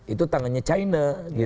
itu tangannya china